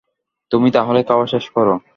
তুমি তাহলে খাওয়া শেষ করো।